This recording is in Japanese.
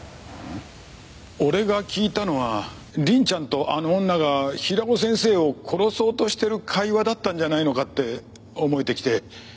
俺が聞いたのは凛ちゃんとあの女が平尾先生を殺そうとしてる会話だったんじゃないのかって思えてきて。